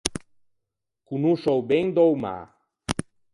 Conosce o ben da-o mâ.